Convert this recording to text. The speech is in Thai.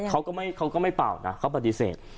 เขาก็ไม่เป่านะเขาปฏิเสธ